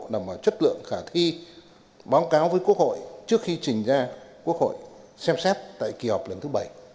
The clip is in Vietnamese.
nằm vào chất lượng khả thi báo cáo với quốc hội trước khi trình ra quốc hội xem xét tại kỳ họp lần thứ bảy